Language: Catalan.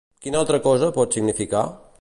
Quina altra cosa pot significar?